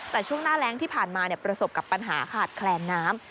แต่ช่วงหน้าแรงที่ผ่านมาประสบกับปัญหาขาดแคลนน้ำ